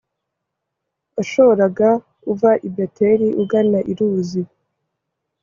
washoraga uva i beteli ugana i luzi